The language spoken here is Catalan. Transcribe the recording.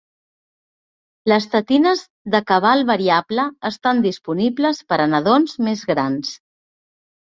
Les tetines de cabal variable estan disponibles per a nadons més grans.